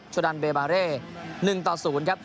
โชดันเบบาเร๑๐ครับ